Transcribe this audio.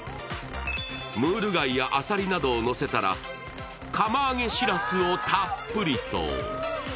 ムール貝やあさりなどをのせたら釜揚げしらすをたっぷりと。